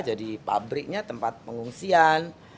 jadi pabriknya tempat pengungsian